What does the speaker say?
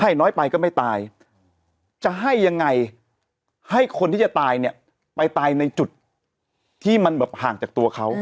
ให้น้อยไปก็ไม่ตายจะให้ยังไงให้คนที่จะตายเนี่ยไปตายในจุดที่มันแบบห่างจากตัวเขา